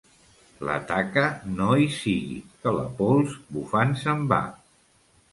La taca no hi sigui, que la pols bufant se'n va.